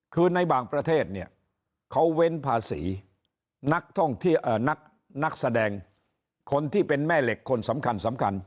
คือในบางประเทศเนี่ยเขาเว้นภาษีนักท่องเที่ยวนักแสดงคนที่เป็นแม่เหล็กคนสำคัญสำคัญ